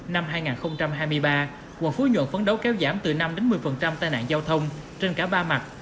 năm hai nghìn hai mươi ba quận phú nhuận phấn đấu kéo giảm từ năm một mươi tai nạn giao thông trên cả ba mặt